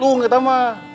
lu ngerti mah